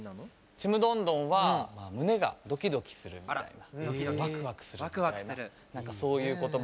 「ちむどんどん」は胸がドキドキするみたいなワクワクするみたいな何かそういう言葉ですね。